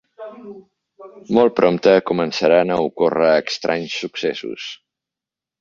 Molt prompte començaran a ocórrer estranys successos.